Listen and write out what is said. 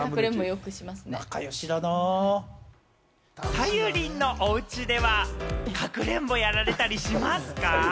さゆりんのおうちでは、かくれんぼやられたりしますか？